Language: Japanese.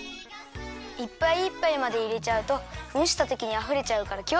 いっぱいいっぱいまでいれちゃうとむしたときにあふれちゃうからきをつけてね。